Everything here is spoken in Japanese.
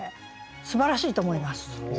すばらしいと思います。